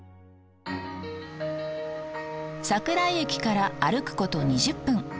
桜井駅から歩くこと２０分。